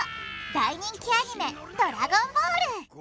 大人気アニメドラゴンボール！